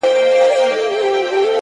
داده غاړي تعويزونه زما بدن خوري-